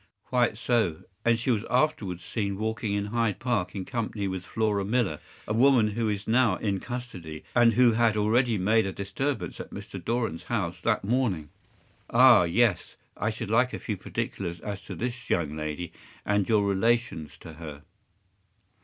” “Quite so. And she was afterwards seen walking into Hyde Park in company with Flora Millar, a woman who is now in custody, and who had already made a disturbance at Mr. Doran’s house that morning.” “Ah, yes. I should like a few particulars as to this young lady, and your relations to her.